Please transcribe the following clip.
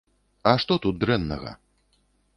А што тут дрэннага?!